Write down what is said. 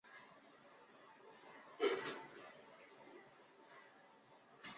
常见于教堂庭院或花园的废弃地。